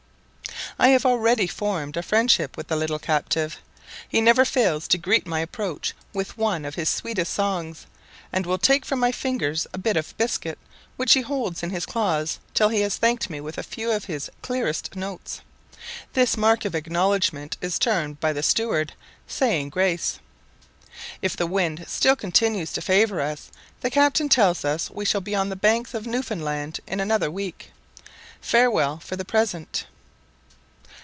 I have already formed a friendship with the little captive. He never fails to greet my approach with one of his sweetest songs, and will take from my fingers a bit of biscuit, which he holds in his claws till he has thanked me with a few of his clearest notes. This mark of acknowledgment is termed by the steward, "saying grace." If the wind still continues to favour us, the captain tells us we shall be on the banks of Newfoundland in another week. Farewell for the present.